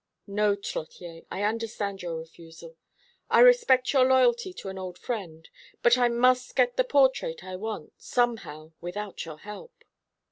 "No, Trottier, I understand your refusal; I respect your loyalty to an old friend. But I must get the portrait I want, somehow, without your help."